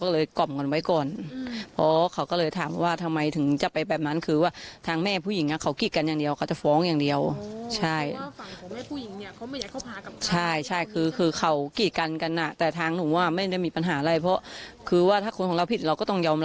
แล้วเจ้าหน้าที่ก็มาตามตัวเจอก่อน